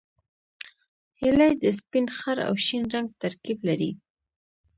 هیلۍ د سپین، خړ او شین رنګ ترکیب لري